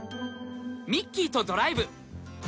ミッキーとドライブ。